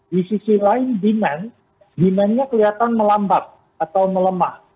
di sisi lain demand demandnya kelihatan melambat atau melemah